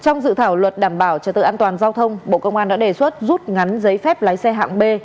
trong dự thảo luật đảm bảo trật tự an toàn giao thông bộ công an đã đề xuất rút ngắn giấy phép lái xe hạng b